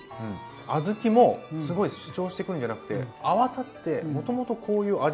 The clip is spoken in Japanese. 小豆もすごい主張してくるんじゃなくて合わさってもともとこういう味だったのかなっていう。